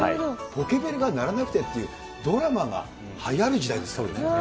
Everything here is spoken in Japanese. ポケベルが鳴らなくてっていうドラマがはやる時代ですからね。